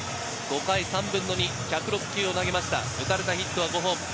５回３分の２、１０６球を投げて打たれたヒットは５本。